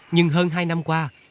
nhưng hơn hai năm qua